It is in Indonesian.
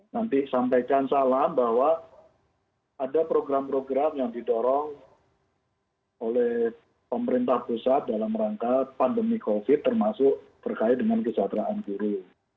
nanti sampaikan salam bahwa ada program program yang didorong oleh pemerintah pusat dalam rangka pandemi covid termasuk berkait dengan kesejahteraan guru